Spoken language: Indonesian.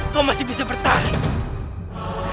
kau masih bisa bertarik